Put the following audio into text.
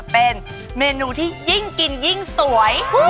เป็นเมนูที่ยิ่งกินยิ่งสวย